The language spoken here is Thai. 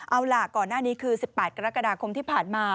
เอาล่ะก่อนหน้านี้คือ๑๘กรกฎาคมที่ผ่านมา